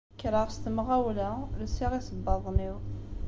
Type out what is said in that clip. Kkreɣ s temɣawla, lsiɣ iṣebbaḍen-iw.